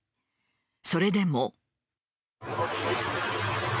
それでも。